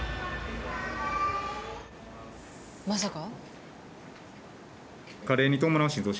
まさか。